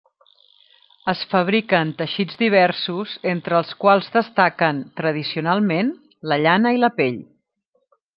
Es fabrica en teixits diversos, entre els quals destaquen, tradicionalment, la llana i la pell.